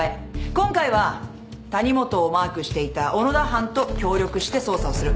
今回は谷本をマークしていた小野田班と協力して捜査をする。